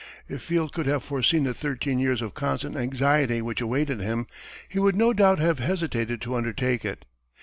If Field could have foreseen the thirteen years of constant anxiety which awaited him, he would no doubt have hesitated to undertake it.